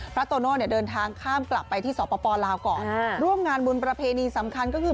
พระโตโน่เดินทางข้ามกลับไปที่สตปลาวร่วมงานบุญประเพณีสำคัญก็คือ